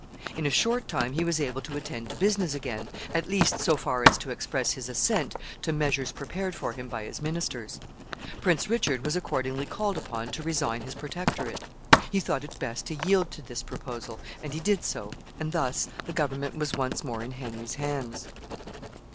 In a short time he was able to attend to business again, at least so far as to express his assent to measures prepared for him by his ministers. Prince Richard was accordingly called upon to resign his protectorate. He thought it best to yield to this proposal, and he did so, and thus the government was once more in Henry's hands.